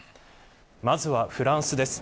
まずはフランスです。